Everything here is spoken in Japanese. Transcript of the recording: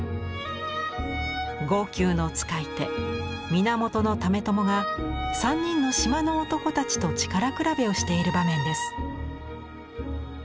強弓の使い手源為朝が３人の島の男たちと力比べをしている場面です。